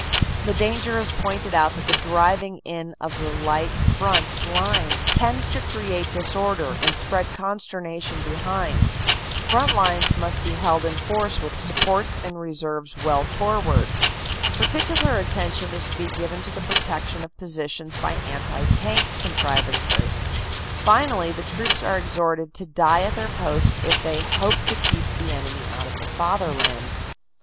The danger is pointed out that the driving in of the light front line tends to create disorder and spread consternation behind. Front lines must be held in force with supports and reserves well forward. Particular attention is to be given to the protec tion of positions by anti tank contrivances. Finally the troops are exhorted to die at their posts if they hope to keep the enemy out of the Fatherland.